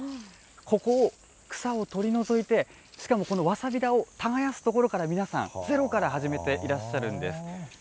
ここを草を取り除いて、しかもこのわさび田を耕すところから皆さん、ゼロから始めていらっしゃるんです。